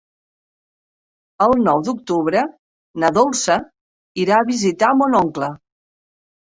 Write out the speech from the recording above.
El nou d'octubre na Dolça irà a visitar mon oncle.